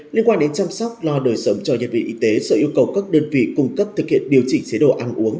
liên quan đến chăm sóc lo đời sống cho nhân viên y tế sở yêu cầu các đơn vị cung cấp thực hiện điều chỉnh chế độ ăn uống